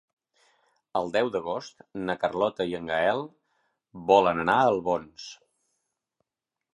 El deu d'agost na Carlota i en Gaël volen anar a Albons.